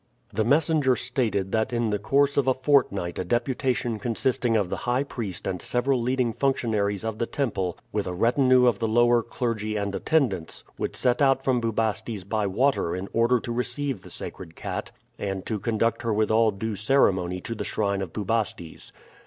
The messenger stated that in the course of a fortnight a deputation consisting of the high priest and several leading functionaries of the temple, with a retinue of the lower clergy and attendants, would set out from Bubastes by water in order to receive the sacred cat, and to conduct her with all due ceremony to the shrine of Bubastes.